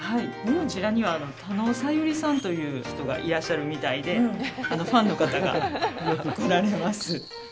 こちらには田能さゆりさんという人がいらっしゃるみたいでファンの方がよく来られます。